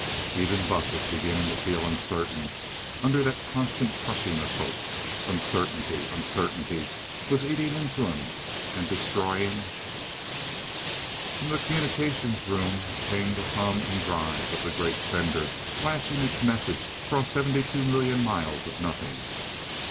Even Buck was beginning to feel uncertain under that constant crushing of hope. Uncertainty uncertainty was eating into him, and destroying From the Communications room came the hum and drive of the great sender flashing its message across seventy two millions of miles of nothing.